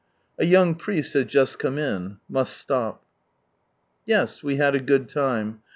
A young priest has just come in. Must stop. ... Yes we had a good time.